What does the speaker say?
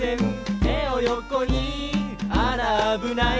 「てをよこにあらあぶない」